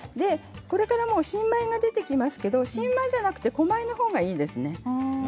これから新米が出てきますけれども新米ではなくて古米のほうがいいですね。